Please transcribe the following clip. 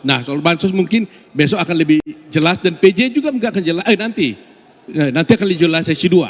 nah soal bansos mungkin besok akan lebih jelas dan pj juga nanti akan lebih jelas sesi dua